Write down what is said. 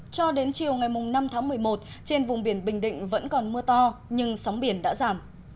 cho đến chiều ngày năm tháng một mươi một trên vùng biển bình định vẫn còn mưa to nhưng sóng biển đã giảm